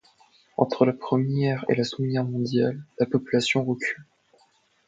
Entre la Première et la Seconde Guerre mondiale, la population recule.